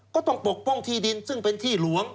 ก็ต้องปกป้องที่ดินซึ่งเป็นที่หลวง